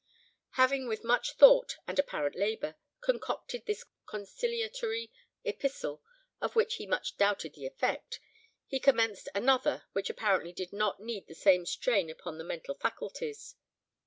Having with much thought, and apparent labour, concocted this conciliatory epistle, of which he much doubted the effect, he commenced another which apparently did not need the same strain upon the mental faculties.